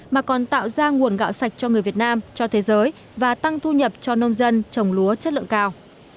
mà còn tạo ra nguồn gạo sạch cho người việt nam cho thế giới và tăng thu nhập cho nông dân trồng lúa chất lượng cao